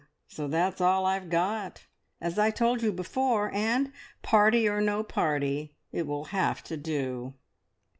So that's all I've got, as I told you before, and, party or no party, it will have to do."